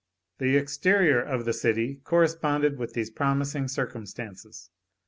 The exterior of the city corresponded with these promising circumstances.